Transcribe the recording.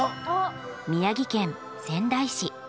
宮城県仙台市。